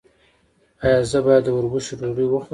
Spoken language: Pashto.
ایا زه باید د وربشو ډوډۍ وخورم؟